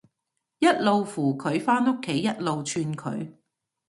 一路扶佢返屋企，一路串佢